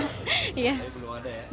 tapi belum ada ya